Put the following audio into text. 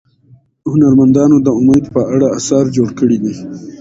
هنرمندانو د امید په اړه اثار جوړ کړي دي.